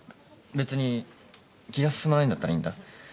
別に気が進まないんだったらいいんだ。